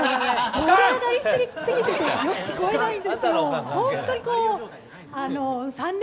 盛り上がりすぎててよく聞こえないんですよ。